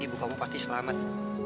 ibu kamu pasti selamat